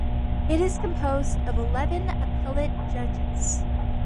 It is composed of eleven appellate judges.